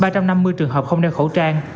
ba trăm năm mươi trường hợp không đeo khẩu trang